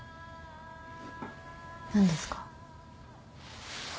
何ですか？